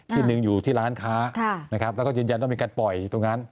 ที่หนึ่งอยู่ที่ร้านค้านะครับแล้วก็ยืนยันว่ามีการปล่อยตรงนั้น